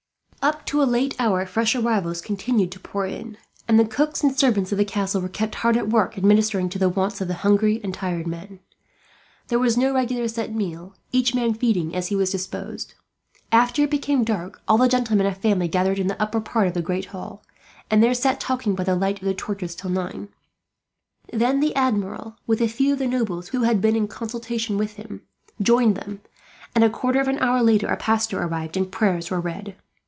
Up to a late hour fresh arrivals continued to pour in, and the cooks and servants of the castle were kept hard at work, administering to the wants of the hungry and tired men. There was no regular set meal, each man feeding as he was disposed. After it became dark, all the gentlemen of family gathered in the upper part of the great hall, and there sat talking by the light of torches until nine. Then the Admiral, with a few of the nobles who had been in consultation with him, joined them and, a quarter of an hour later, a pastor entered and prayers were read.